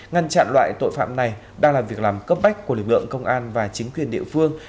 ngăn chặn loại tội phạm này đang là việc làm cấp bách của lực lượng công an và chính quyền địa phương